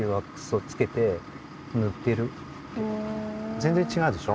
全然ちがうでしょ？